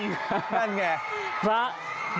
นั่นไง